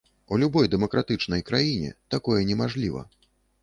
У любой дэмакратычнай краіне такое немажліва.